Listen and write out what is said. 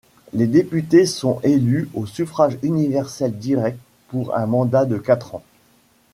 Les députés sont élus au suffrage universel direct pour un mandat de quatre ans.